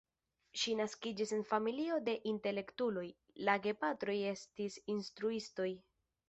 Ŝi naskiĝis en familio de intelektuloj, la gepatroj estis instruistoj.